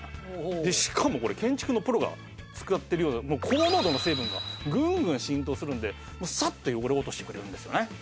でしかも建築のプロが使ってるような高濃度の成分がグングン浸透するんでサッと汚れを落としてくれるんですよね。